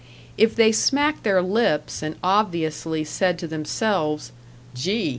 If they smacked their lips and obviously said to themselves, "Gee!